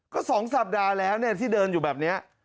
ก็สองสัปดาห์แล้วเนี่ยที่เดินอยู่แบบเนี้ย